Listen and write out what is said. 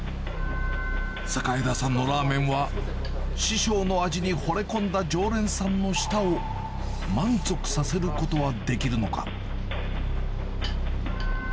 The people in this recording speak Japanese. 榮田さんのラーメンは、師匠の味にほれ込んだ常連さんの舌を満足させることはできるのか。